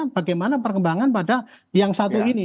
bagaimana perkembangan pada yang satu ini